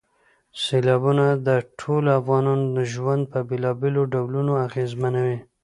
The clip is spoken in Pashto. سیلابونه د ټولو افغانانو ژوند په بېلابېلو ډولونو اغېزمنوي.